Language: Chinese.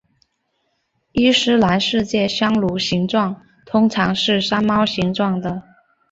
伊斯兰世界香炉形状通常是山猫形状的。